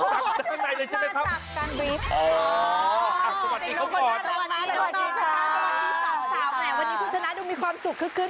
เข้ากำลังมาด้านในเลยใช่ไหมครับ